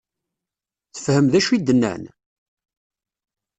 Tefhem d acu i d-nnan?